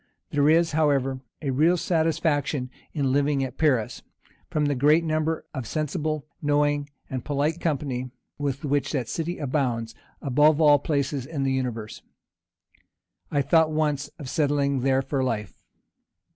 There is, however, a real satisfaction in living at Paris, from the great number of sensible, knowing, and polite company with which that city abounds above all places in the universe. I thought once of settling there for life.